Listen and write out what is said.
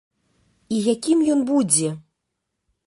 І якім ён будзе?